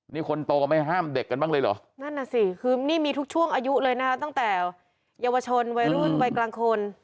นี่คนโตไม่ห้ามเด็กกันบ้างเลยเหรอนั่นน่ะสิคือนี่มีทุกช่วงอายุเลยนะคะตั้งแต่เยาวชนวัยรุ่นวัยกลางคน